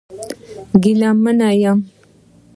زه ګیلمن یم